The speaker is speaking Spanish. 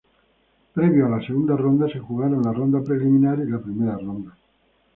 Previo a la segunda ronda se jugaron la ronda preliminar y la primera ronda.